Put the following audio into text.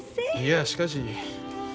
いやしかし。